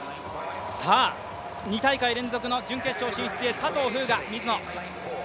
さあ、２大会連続の準決勝進出へ佐藤風雅、ミズノ。